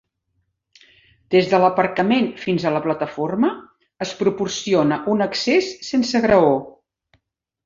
Des de l'aparcament fins a la plataforma, es proporciona un accés sense graó.